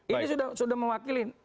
ini sudah mewakili